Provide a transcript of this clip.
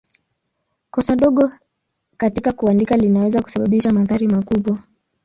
Kosa dogo katika kuandika linaweza kusababisha madhara makubwa.